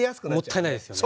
もったいないですよね。